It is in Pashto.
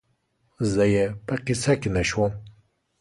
زه یې په قصه کې نه شوم